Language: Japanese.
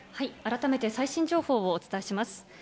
改めて最新情報をお伝えします。